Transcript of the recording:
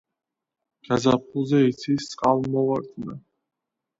გაზაფხულზე იცის წყალმოვარდნა.